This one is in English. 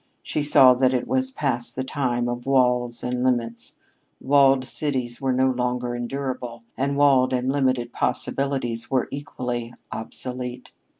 She saw that it was past the time of walls and limits. Walled cities were no longer endurable, and walled and limited possibilities were equally obsolete.